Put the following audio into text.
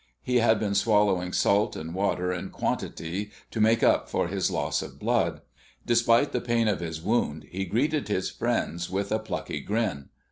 He had been swallowing salt and water in quantity to make up for his loss of blood. Despite the pain of his wound he greeted his friends with a plucky grin.